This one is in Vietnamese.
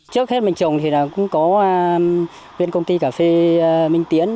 trước hết mình trồng thì cũng có bên công ty cà phê minh tiến